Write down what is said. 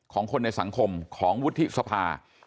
ของคนในสังคมของวุฒิสภา